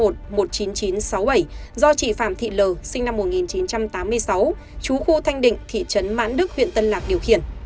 do chị phạm thị l sinh năm một nghìn chín trăm tám mươi sáu chú khu thanh định thị trấn mãn đức huyện tân lạc điều khiển